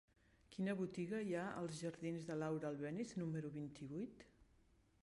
Quina botiga hi ha als jardins de Laura Albéniz número vint-i-vuit?